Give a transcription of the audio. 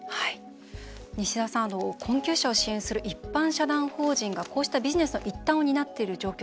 西澤さん困窮者を支援する一般社団法人がこうしたビジネスの一端を担っている状況